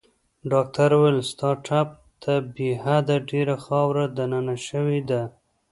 ډاکټر وویل: ستا ټپ ته بې حده ډېره خاوره دننه شوې ده.